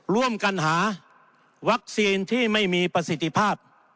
ร่วมกันหาวัคซีนที่ไม่มีประสิทธิภาพ